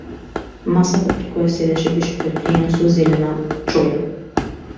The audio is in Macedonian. Масата при која седеше беше прекриена со зелена чоја.